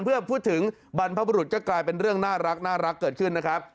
เพื่อพูดถึงบรรพบุรุษก็กลายเป็นเรื่องน่ารักเกิดขึ้นนะครับ